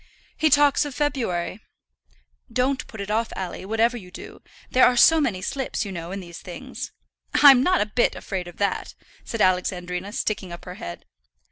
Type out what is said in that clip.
"He talks of February." "Don't put it off, Alley, whatever you do. There are so many slips, you know, in these things." "I'm not a bit afraid of that," said Alexandrina, sticking up her head.